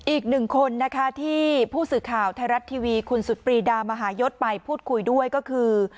อีกหนึ่งคนนะคะที่ผู้สื่อข่าวไทยรัฐทีวีคุณสุดปรีดามหายศไปพูดคุยด้วยก็คือ